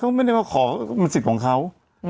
เขาไม่ได้มาขอเป็นสิทธิ์ของเขา